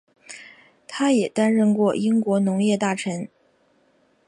他也担任过英国农业大臣。